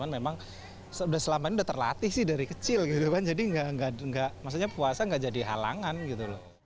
memang selama ini udah terlatih sih dari kecil gitu kan jadi maksudnya puasa gak jadi halangan gitu loh